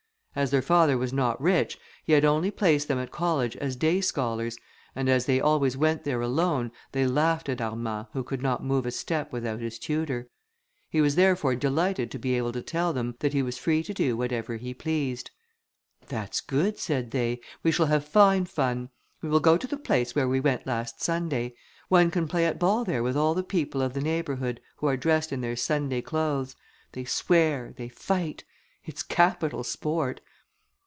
As their father was not rich, he had only placed them at college as day scholars; and as they always went there alone, they laughed at Armand, who could not move a step without his tutor. He was therefore delighted to be able to tell them that he was free to do whatever he pleased. "That's good," said they, "we shall have fine fun: we will go to the place where we went last Sunday; one can play at ball there with all the people of the neighbourhood, who are dressed in their Sunday clothes: they swear, they fight; it's capital sport!